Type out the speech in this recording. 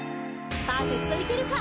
パーフェクトいけるか？